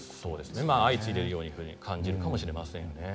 相次いでと感じるかもしれませんね。